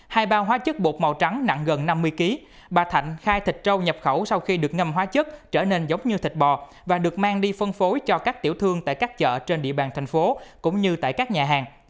hai bao hóa chất bột màu trắng nặng gần năm mươi kg bà thạnh khai thịt trâu nhập khẩu sau khi được ngâm hóa chất trở nên giống như thịt bò và được mang đi phân phối cho các tiểu thương tại các chợ trên địa bàn thành phố cũng như tại các nhà hàng